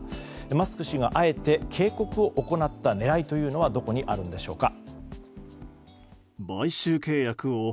マスク氏があえて警告を行った狙いはどこにあるんでしょうか。